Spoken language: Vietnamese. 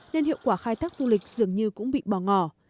nên hiệu quả khai thác du lịch dường như cũng bị bỏ ngỏ